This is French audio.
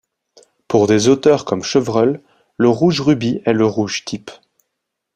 Pour des auteurs comme Chevreul, le rouge rubis est le rouge type.